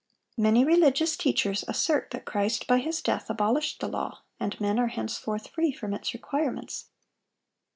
Many religious teachers assert that Christ by His death abolished the law, and men are henceforth free from its requirements.